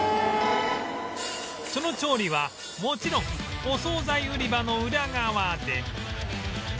その調理はもちろんお惣菜売り場のウラ側で